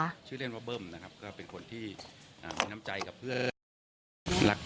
ชื่อเล่นว่าเบิ้มนะครับก็เป็นคนที่อ่ามีน้ำใจกับเพื่อนรัก